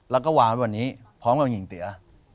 แล้วก็วางไว้วันนี้พร้อมกับหญิงเตี๋ย